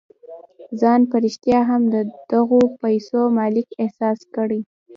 ځان په رښتيا هم د دغو پيسو مالک احساس کړئ.